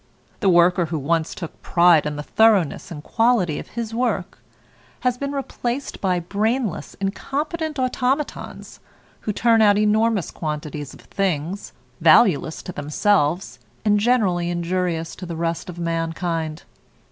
The worker who once took pride in the thoroughness and quality of his work, has been replaced by brainless, incompetent automatons, who turn out enormous quantities of things, valueless to themselves, and generally injurious to the rest of mankind.